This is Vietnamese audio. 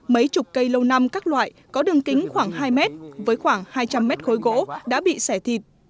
mấy chục cây lâu năm các loại có đường kính khoảng hai mét với khoảng hai trăm linh mét khối gỗ đã bị xẻ thịt